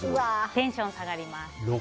テンション下がります。